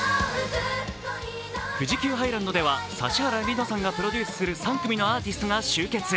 富士急ハイランドでは指原莉乃さんがプロデュースする３組のアーティストが集結。